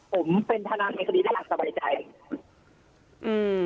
ผมเป็นทนาในคดีได้หลักสบายใจ